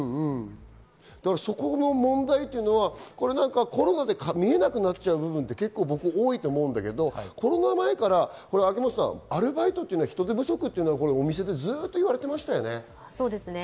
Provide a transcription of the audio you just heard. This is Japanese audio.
そこの問題、コロナで見えなくなっちゃう部分って僕、多いと思うんだけれどもコロナ前からアルバイトは人手不足というのは、お店でずっと言われていましたよね。